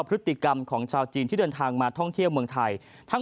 พฤติกรรมของชาวจีนที่เดินทางมาท่องเที่ยวเมืองไทย